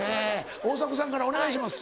大迫さんからお願いします。